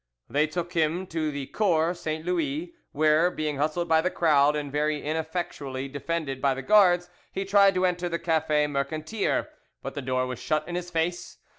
"They took him to the Cours St. Louis, where, being hustled by the crowd and very ineffectually defended by the Guards, he tried to enter the Cafe Mercantier, but the door was shut in his face.